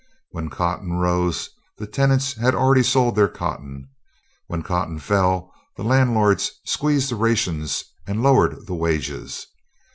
When cotton rose, the tenants had already sold their cotton; when cotton fell the landlords squeezed the rations and lowered the wages.